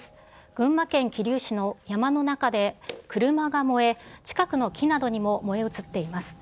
群馬県桐生市の山の中で車が燃え、近くの木などにも燃え移っています。